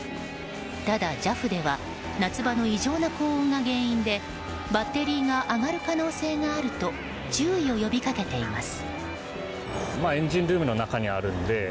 ただ、ＪＡＦでは夏場の異常な高温が原因でバッテリーが上がる可能性があると注意を呼びかけています。